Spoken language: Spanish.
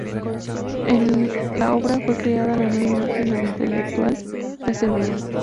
En la obra fue creada la nueva imagen del intelectual de Azerbaiyán.